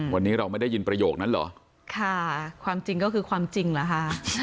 วันนี้เราไม่ได้ยินประโยคนั้นเหรอค่ะความจริงก็คือความจริงเหรอคะ